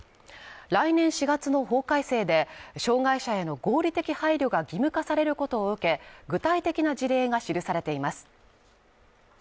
来年４月の法改正で障害者への合理的配慮が義務化されることを受け、具体的な事例が記されています。